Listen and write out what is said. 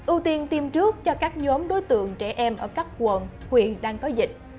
ưu tiên tiêm trước cho các nhóm đối tượng trẻ em ở các quận huyện đang có dịch